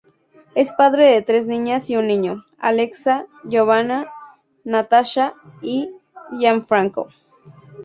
Es padre de tres niñas y un niño: Alexa, Giovanna, Natasha, y Gianfranco.